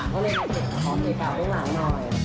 ก็เลยมาเก๋กของเก๋กอ่าวน้องหลังหน่อย